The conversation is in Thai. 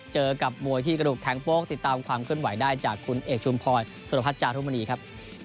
เจอกับมวยที่กระดูกแทงโป้งติดตามความเคลื่อนไหวได้จากคุณเอกชุมพรสุรพัฒนจารุมณีครับ